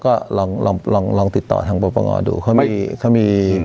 ก็ลองติดต่อทางประปังงอดูเขามี